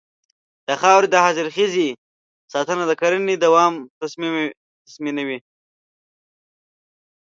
د خاورې د حاصلخېزۍ ساتنه د کرنې دوام تضمینوي.